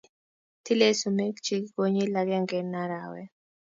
Tilei sumekchik konyil agenge eng arawet